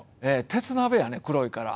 鉄鍋やね、黒いから。